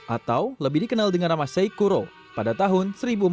atau lebih dikenal dengan nama sheikh kuro pada tahun seribu empat ratus delapan belas